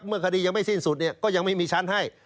คดียังไม่สิ้นสุดก็ยังไม่มีชั้นให้